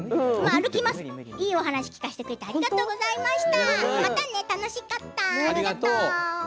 いいお話を聞かせていただいてありがとうございました。